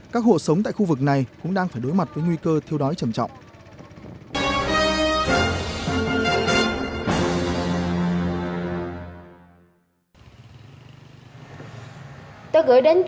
các hộ sống tại khu vực này cũng đang phải đối mặt với nguy cơ thiêu đói trầm trọng